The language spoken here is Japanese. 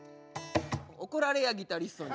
怒られやギタリストに。